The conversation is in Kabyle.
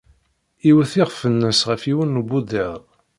Iwet iɣef-nnes ɣer yiwen n ubudid.